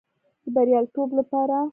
د بریالیتوب لپاره